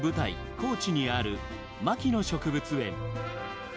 高知にある牧野植物園。